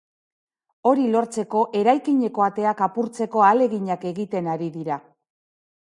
Hori lortzeko, eraikineko ateak apurtzeko ahaleginak egiten ari dira.